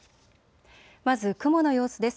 まず雲の様子です。